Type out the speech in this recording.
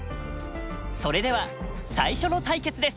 それでは最初の対決です。